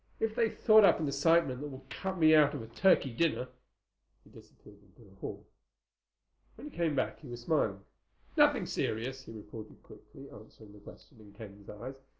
If they've thought up an assignment that will cut me out of a turkey dinner—" He disappeared into the hall. When he came back he was smiling. "Nothing serious," he reported quickly, answering the question in Ken's eyes.